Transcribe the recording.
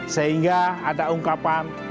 sehingga ada ungkapan